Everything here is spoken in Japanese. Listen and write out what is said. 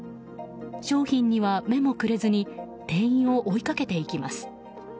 商品には目もくれずに店員を追いかけていきます。